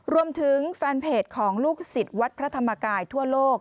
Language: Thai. รวมถึงแฟนเพจของลูกศิษย์วัดพระธรรมกายทั่วโลก